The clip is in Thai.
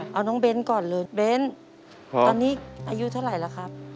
ใช่ค่ะน้องเบ้นส์ก่อนเลยเบ้นส์ตอนนี้อายุเท่าไหร่ละครับ